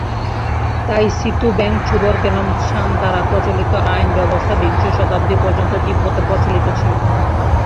তা'ই-সি-তু-ব্যাং-ছুব-র্গ্যাল-ম্ত্শান দ্বারা প্রচলিত আইন ব্যবস্থা বিংশ শতাব্দী পর্যন্ত তিব্বতে প্রচলিত ছিল।